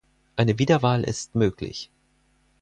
Eine Wiederwahl ist möglich.